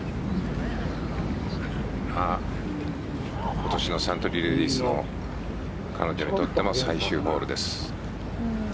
今年のサントリーレディスの彼女にとっても最終ホールです。